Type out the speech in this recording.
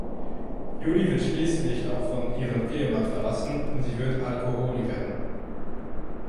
Julie wird schließlich auch von ihrem Ehemann verlassen und sie wird Alkoholikerin.